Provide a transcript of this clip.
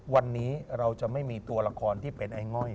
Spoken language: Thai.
วันนี้เราจะไม่มีตัวละครที่เป็นไอ้ง่อย